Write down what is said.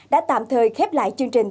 đã tạm thời khép lại chương trình